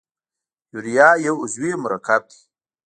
یوریا یو عضوي مرکب دی.